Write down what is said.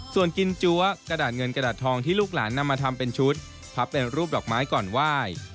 ส่วนกินจั๊วกระดาษเงินกระดาษทองที่ลูกหลานนำมาทำเป็นชุดพับเป็นรูปดอกไม้ก่อนไหว้